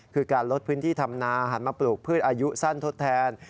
คือการลดพื้นที่ทำนาหันมาปลูกพืชอายุสั้นทดแทน